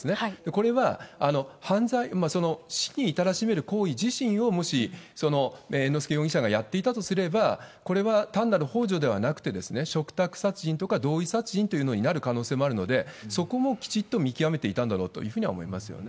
これは犯罪、死に至らしめる行為自身を、もし猿之助容疑者がやっていたとすれば、これは単なるほう助ではなくて、嘱託殺人とか同意殺人というのになる可能性もあるので、そこもきちっと見極めていたんだろうというふうに思いますね。